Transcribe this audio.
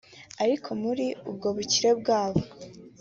Ariko muri ubwo bukire bwabo